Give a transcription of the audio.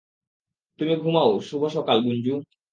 তুমি ঘুমোও শুভ সকাল, গুঞ্জু!